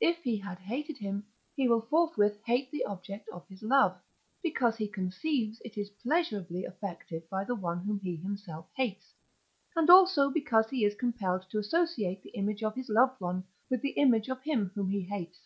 If he had hated him, he will forthwith hate the object of his love, because he conceives it is pleasurably affected by one whom he himself hates: and also because he is compelled to associate the image of his loved one with the image of him whom he hates.